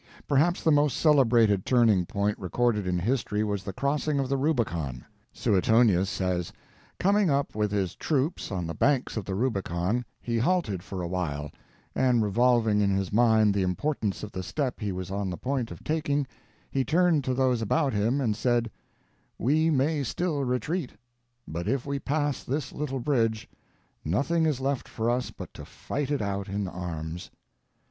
Perhaps the most celebrated turning point recorded in history was the crossing of the Rubicon. Suetonius says: Coming up with his troops on the banks of the Rubicon, he halted for a while, and, revolving in his mind the importance of the step he was on the point of taking, he turned to those about him and said, "We may still retreat; but if we pass this little bridge, nothing is left for us but to fight it out in arms."